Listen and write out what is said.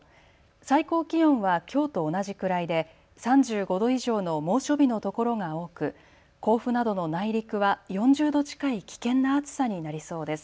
最高気温はきょうと同じくらいで３５度以上の猛暑日の所が多く甲府などの内陸は４０度近い危険な暑さになりそうです。